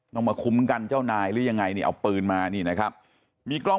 ต้องมาคุ้มกันเจ้านายหรือยังไงนี่เอาปืนมานี่นะครับมีกล้อง